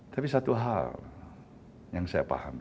tapi satu hal yang saya pahami